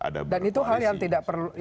dan itu hal yang tidak